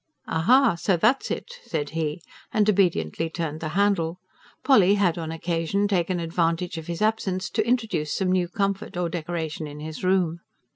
"Aha! So that's it," said he, and obediently turned the handle. Polly had on occasion taken advantage of his absence to introduce some new comfort or decoration in his room.